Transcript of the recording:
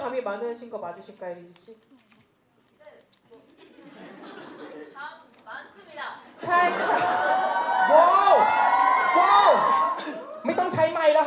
ไม่ต้องใช้ไมค์ล่ะฮะ